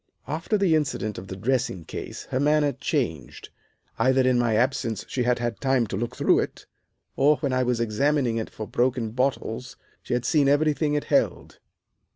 "After the incident of the dressing case her manner changed. Either in my absence she had had time to look through it, or, when I was examining it for broken bottles, she had seen everything it held.